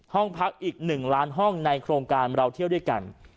ห้องพักอีก๑ล้านห้องในโครงการเราเที่ยวด้วยกัน